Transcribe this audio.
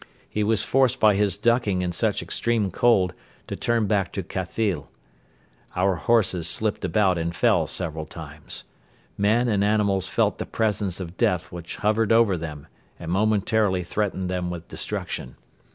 He was forced by his ducking in such extreme cold to turn back to Khathyl. Our horses slipped about and fell several times. Men and animals felt the presence of death which hovered over them and momentarily threatened them with destruction.